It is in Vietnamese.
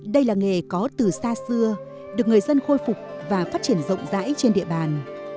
đây là nghề có từ xa xưa được người dân khôi phục và phát triển rộng rãi trên địa bàn